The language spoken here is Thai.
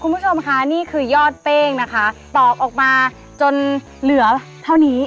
คุณผู้ชมค่ะนี่คือยอดเป้งนะคะตอบออกมาจนเหลือเท่านี้